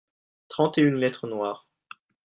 trente et une lettres noires.